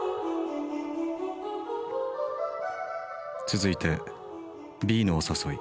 続いてＢのおさそい。